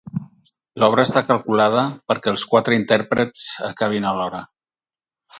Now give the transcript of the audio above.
L’obra està calculada perquè els quatre intèrprets acabin alhora.